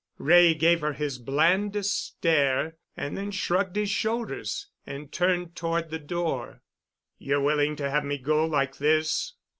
Wray gave her his blandest stare, and then shrugged his shoulders and turned toward the door. "You're willing to have me go like this?"